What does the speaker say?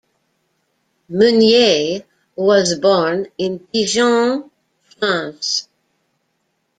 Meunier was born in Dijon, France.